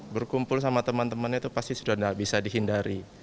berkumpul sama teman teman itu pasti sudah tidak bisa dihindari